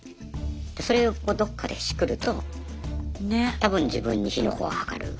それをどっかでしくると多分自分に火の粉がかかる。